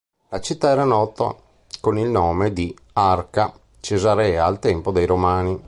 La città era nota con il nome di "Arca Caesarea" al tempo dei Romani.